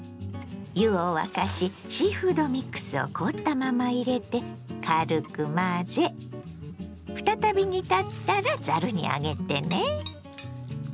湯を沸かしシーフードミックスを凍ったまま入れて軽く混ぜ再び煮立ったらざるに上げてね。